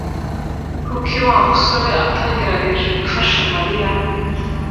Kuki Wa musore atagerageje gufasha Mariya?